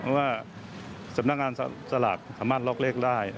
ว่าสำนักงานสลัดสามารถล็อกเลขได้